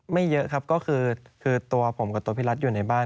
ไม่เยอะครับก็คือตัวผมกับตัวพี่รัฐอยู่ในบ้าน